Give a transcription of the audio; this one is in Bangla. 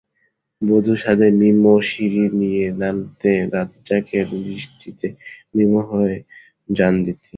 বধূ সাজে মিমো সিঁড়ি দিয়ে নামতে রাজ্জাকের দৃষ্টিতে মিমো হয়ে যান দিতি।